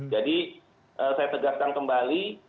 jadi saya tegarkan kembali